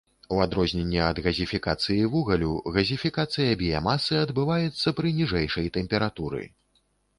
У адрозненне ад газіфікацыі вугалю, газіфікацыя біямасы адбываецца пры ніжэйшай тэмпературы.